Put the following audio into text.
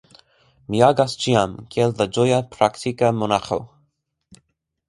Mi agas ĉiam kiel la ĝoja praktika monaĥo.